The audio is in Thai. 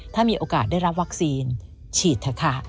ถ้ามีโอกาสได้รับวัคซีนฉีดเถอะค่ะ